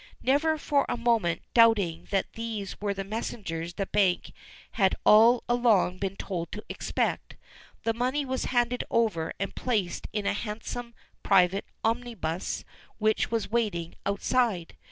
Never for a moment doubting that these were the messengers the bank had all along been told to expect, the money was handed over and placed in a handsome private omnibus which was waiting outside.